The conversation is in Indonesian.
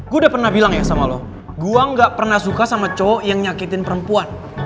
gue gak pernah suka sama cowok yang gak suka sama cowok yang nyakitin perempuan